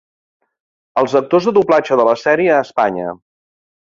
Els actors de doblatge de la sèrie a Espanya.